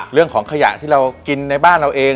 เรื่องของขยะที่เรากินในบ้านเราเอง